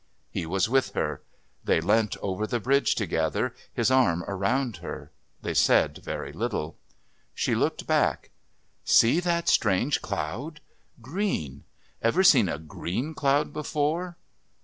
He was with her. They leant over the bridge together, his arm around her. They said very little. She looked back. "See that strange cloud? Green. Ever seen a green cloud before?